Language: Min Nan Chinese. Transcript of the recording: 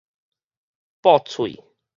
駁喙